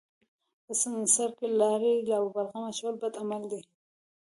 په سړک لاړې او بلغم اچول بد عمل دی.